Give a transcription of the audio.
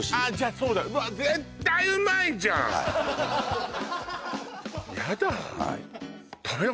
そうだうわ絶対うまいじゃんやだ